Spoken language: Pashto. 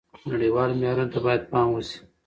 نړیوالو معیارونو ته باید پام وشي.